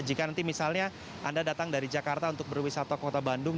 jika nanti misalnya anda datang dari jakarta untuk berwisata ke kota bandung